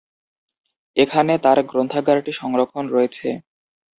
এখানে তাঁর গ্রন্থাগারটি সংরক্ষণ রয়েছে।